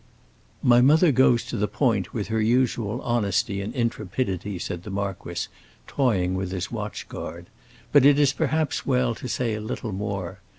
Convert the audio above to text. "My mother goes to the point, with her usual honesty and intrepidity," said the marquis, toying with his watch guard. "But it is perhaps well to say a little more.